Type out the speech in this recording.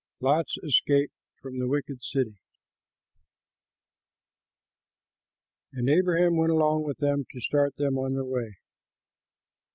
LOT'S ESCAPE FROM A WICKED CITY And Abraham went along with them to start them on their way.